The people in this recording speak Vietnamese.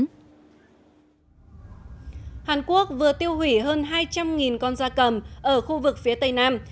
hàn quốc vừa tiêu hủy hơn hai trăm linh con da cầm ở khu vực phía tây nam